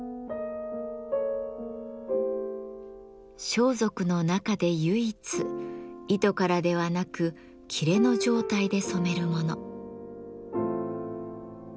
装束の中で唯一糸からではなく裂の状態で染めるもの。